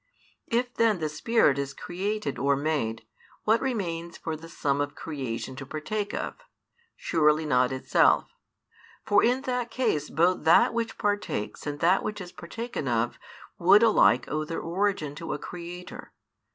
If then the Spirit is created or made, what remains for the sum of creation to partake of? Surely not itself! For in that case both that which partakes and that which is partaken of would alike owe their origin to a creator.